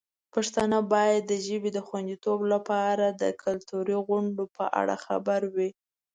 پښتانه باید د ژبې د خوندیتوب لپاره د کلتوري غونډو په اړه خبر وي.